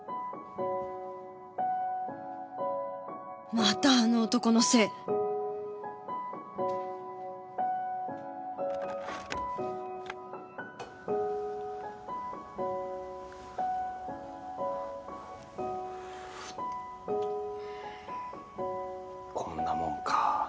またあの男のせいこんなもんか。